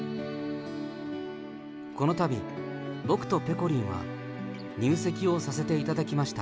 このたび僕とぺこりんは、入籍をさせていただきました。